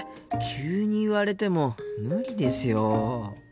急に言われても無理ですよ。